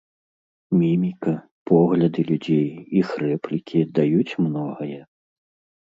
Міміка, погляды людзей, іх рэплікі даюць многае.